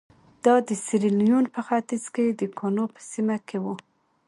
دا د سیریلیون په ختیځ کې د کونو په سیمه کې وو.